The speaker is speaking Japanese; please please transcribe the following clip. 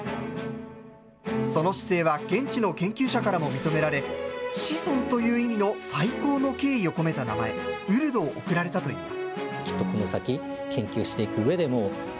その姿勢は現地の研究者からも認められ、子孫という意味の最高の敬意を込めた名前、ウルドを贈られたといいます。